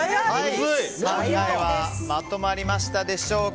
考えはまとまりましたでしょうか。